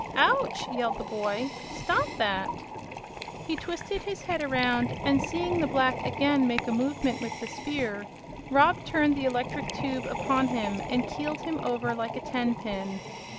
"Ouch!" yelled the boy; "stop that!" He twisted his head around, and seeing the black again make a movement with the spear, Rob turned his electric tube upon him and keeled him over like a ten pin.